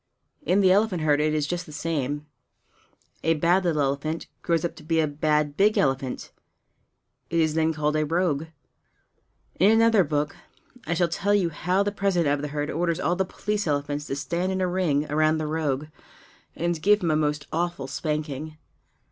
In the elephant herd it is just the same; a bad little elephant grows up to be a bad big elephant; it is then called a rogue. In another book I shall tell you how the President of the herd orders all the police elephants to stand in a ring around the rogue and give him a most awful spanking.